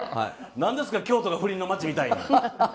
何ですか京都が不倫の街みたいに。